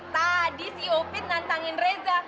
tadi si opin nantangin reza